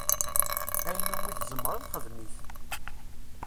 Ayen umi tzemreḍ, xdem-it!